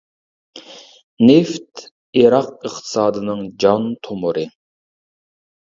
نېفىت ئىراق ئىقتىسادىنىڭ جان تومۇرى.